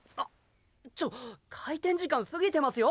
ちょっ開店時間過ぎてますよ！